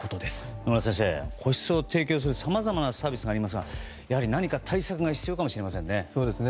野村先生、個室を提供するさまざまなサービスがありますがやはり何か対策が必要かもしれませんね。